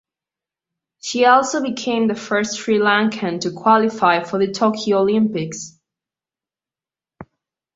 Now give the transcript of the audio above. She also became the first Sri Lankan to qualify for the Tokyo Olympics.